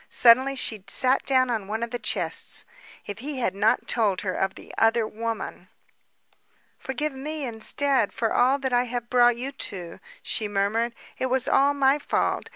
Suddenly she sat down upon one of the chests. If he had not told her of the other woman! "Forgive me instead, for all that I have brought you to," she murmured. "It was all my fault.